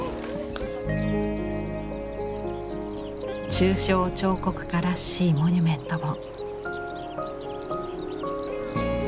抽象彫刻家らしいモニュメントも。